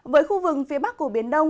với khu vực phía bắc của biển đông